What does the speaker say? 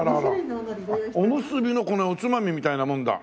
おむすびのこれおつまみみたいなもんだ。